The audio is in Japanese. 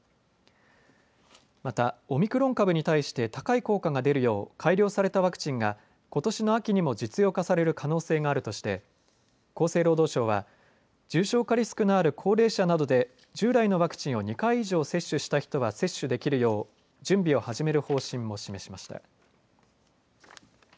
また、オミクロン株に対して高い効果が出るよう改良されたワクチンがことしの秋にも実用化される可能性があるとして厚生労働省は重症化リスクのある高齢者などで従来のワクチンを２回以上接種した人は接種できるよう準備を始める方針も示しました。